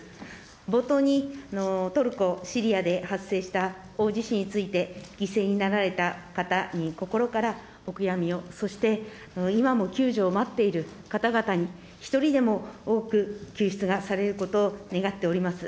冒頭に、トルコ、シリアで発生した大地震について、犠牲になられた方に心からお悔やみを、そして、今も救助を待っている方々に、一人でも多く救出がされることを願っております。